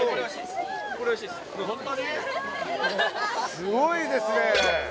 すごいですね。